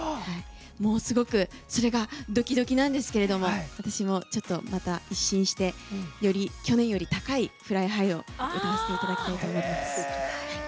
すごくそれがドキドキなんですが私もちょっと、また一新してより去年より高い「ＦｌｙＨｉｇｈ」を歌わせていただきたいと思います。